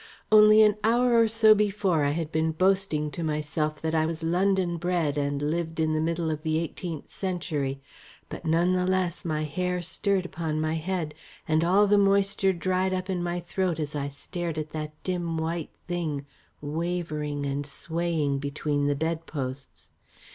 Only an hour or so before I had been boasting to myself that I was London bred and lived in the middle of the eighteenth century. But none the less my hair stirred upon my head, and all the moisture dried up in my throat as I stared at that dim white thing wavering and swaying between the bed posts.